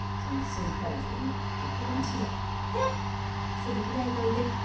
すぐ着替えておいで。